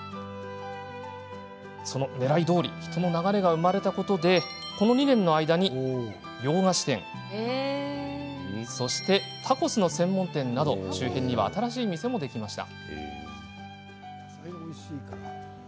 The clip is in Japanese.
ねらいどおり人の流れが生まれたことでこの２年の間に洋菓子店、タコスの専門店など周辺には新しい店ができました。